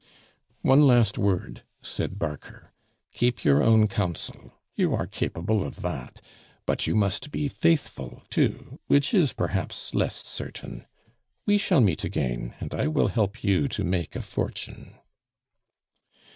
"One last word," said Barker. "Keep your own counsel, you are capable of that; but you must be faithful too, which is perhaps less certain. We shall meet again, and I will help you to make a fortune."